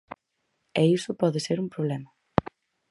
E iso pode ser un problema.